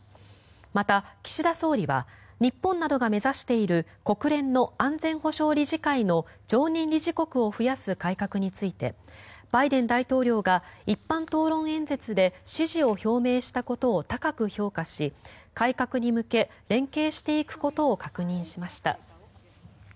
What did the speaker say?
また、岸田総理は日本などが目指している国連の安全保障理事会の常任理事国を増やす改革についてバイデン大統領が一般討論演説で支持を表明したことを高く評価し改革に向け連携していくことを確認しました。